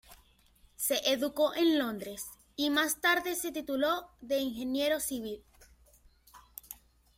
Se educó en Londres; y más tarde se tituló de Ingeniero Civil.